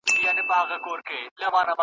ازل دښمن دی د مظلومانو ,